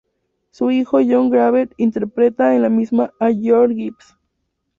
Su hijo, John Craven, interpretaba en la misma a George Gibbs.